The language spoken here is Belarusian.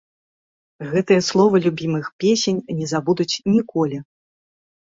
Гэтыя словы любімых песень не забудуць ніколі!